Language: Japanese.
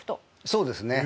そうですね。